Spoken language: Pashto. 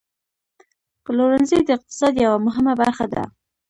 پلورنځی د اقتصاد یوه مهمه برخه ده.